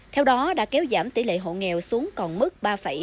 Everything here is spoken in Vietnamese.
theo đó đã kéo giảm tỷ lệ hộ nghèo xuống còn mức ba hai mươi bảy